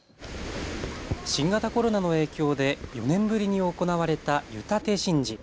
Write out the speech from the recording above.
新型コロナの影響で４年ぶりに行われた湯立神事。